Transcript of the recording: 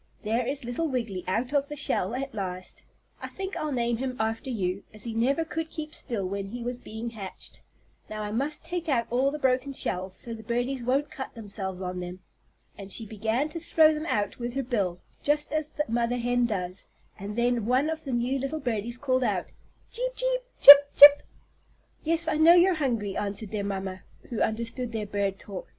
There is little Wiggily out of the shell at last. I think I'll name him after you, as he never could keep still when he was being hatched. Now I must take out all the broken shells so the birdies won't cut themselves on them." And she began to throw them out with her bill, just as the mother hen does, and then one of the new little birdies called out: "Cheep cheep chip chip!" "Yes, I know you're hungry," answered their mamma, who understood their bird talk.